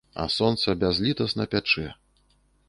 А сонца бязлітасна пячэ.